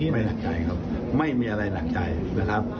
ไม่หนักใจครับไม่มีอะไรหนักใจนะครับ